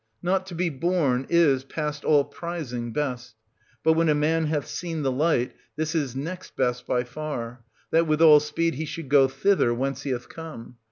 Not to be born is, past all prizing, best ; but, when a ant. man hath seen the light, this is next best by far, that with all speed he should go thither, whence he hath come.